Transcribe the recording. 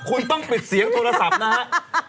คุณต้องปิดเสียงโทรศัพท์นะครับ